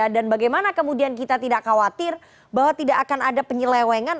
dan bagaimana kemudian kita tidak khawatir bahwa tidak akan ada penyelewengan